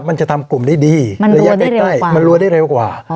มันจะทำกลุ่มได้ดีระยะใกล้มันรวยได้เร็วกว่า